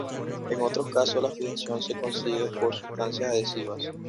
En otros casos la fijación se consigue por sustancias adhesivas.